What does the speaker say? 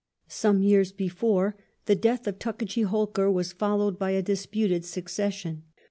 Some years before, the death of Tuckajee Holkar was loUoWwil 1^ disputed succession.